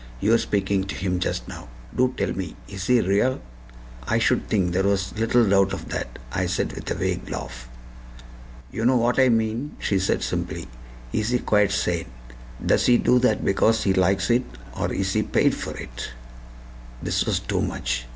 You were speaking to him just now. Do tell me is he real?" "I should think there was little doubt of that," I said with a vague laugh. "You know what I mean," she said simply. "Is he quite sane? Does he do that because he likes it, or is he paid for it?" This was too much.